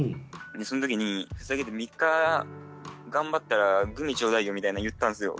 でそん時にふざけて「３日頑張ったらグミちょうだいよ」みたいな言ったんすよ